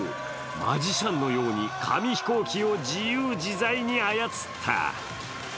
マジシャンのように紙飛行機を自由自在に操った。